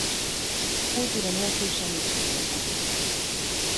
Kultúra nélkül semmit se érnek.